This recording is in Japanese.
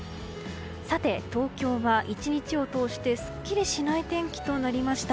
さて、東京は１日を通してすっきりしない天気となりました。